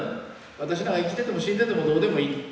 私なんか生きてても死んでてもどうでもいいと。